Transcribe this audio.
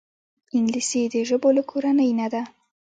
انګلیسي د ژبو له کورنۍ نه ده